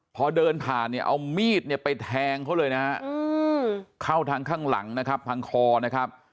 พอเดินผ่านเอามีดไปแทงเขาเลยนะครับเข้าทางข้างหลังทางคอนะครับ